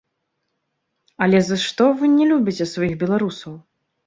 Але за што вы не любіце сваіх беларусаў?!